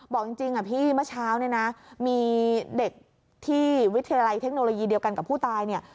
บอกจริงพี่เมื่อเช้าเนี่ยนะมีเด็กที่วิทยาลัยเทคโนโลยีเดียวกันกับผู้ตายเนี่ย